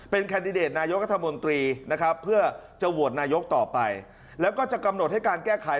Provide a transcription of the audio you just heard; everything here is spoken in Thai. แคนดิเดตนายกัธมนตรีนะครับเพื่อจะโหวตนายกต่อไปแล้วก็จะกำหนดให้การแก้ไข